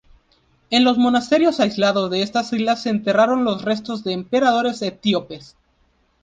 En los monasterios aislados de estas islas se enterraron los restos de emperadores etíopes.